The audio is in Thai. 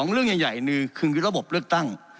เรื่องใหญ่หนึ่งคือระบบเลือกตั้ง